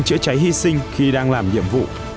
địa cháy địa cháy hy sinh khi đang làm nhiệm vụ